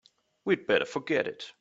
We'd better forget it.